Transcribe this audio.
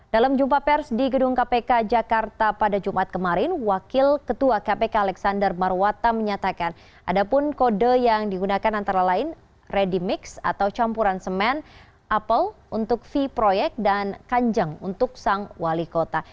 dalam jumpa pers di gedung kpk jakarta pada jumat kemarin wakil ketua kpk alexander marwata menyatakan ada pun kode yang digunakan antara lain ready mix atau campuran semen apel untuk v proyek dan kanjeng untuk sang wali kota